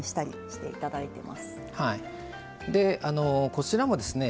こちらもですね